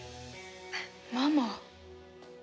ママ。